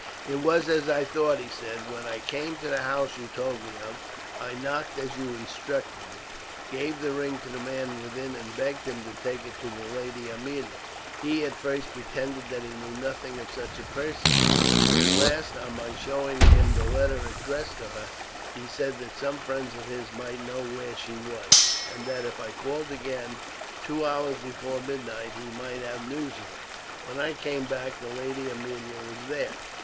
"It was as I thought," he said. "When I came to the house you told me of, I knocked as you instructed me, gave the ring to the man within and begged him to take it to the Lady Aemilia. He at first pretended that he knew nothing of such a person; but at last, on my showing him the letter addressed to her, he said that some friends of his might know where she was, and that if I called again, two hours before midnight, he might have news of her. When I came back the Lady Aemilia was there.